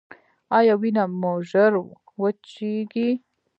ایا وینه مو ژر وچیږي؟